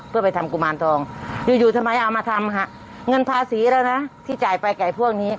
เพื่อไปทำกุมารทองอยู่อยู่ทำไมเอามาทำค่ะเงินภาษีแล้วนะที่จ่ายไปไก่พวกนี้